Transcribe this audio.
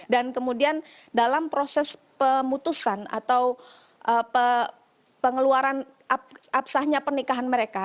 dan kemudian dalam proses pemutusan atau pengeluaran apsahnya pernikahan mereka